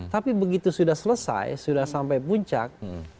tapi begitu sudah selesai sudah sampai puncak